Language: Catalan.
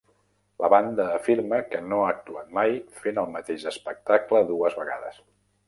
La banda afirma que no ha actuat mai fent el mateix espectacle dues vegades.